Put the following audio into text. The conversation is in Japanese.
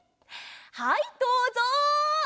はいどうぞ！